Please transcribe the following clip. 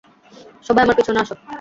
সবাই আমার পিছনে আস।